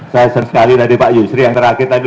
saya senang sekali tadi pak yusri yang terakhir tadi